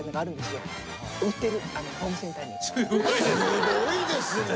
すごいですね。